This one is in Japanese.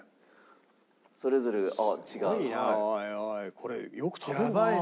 これよく食べるな。